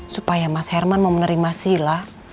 supaya mas herman mau menerima sila